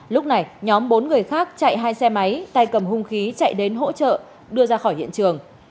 lúc này nhóm bốn người khác chạy hai xe máy tay cầm hung khí chạy đến hỗ trợ đưa ra khỏi hiện trường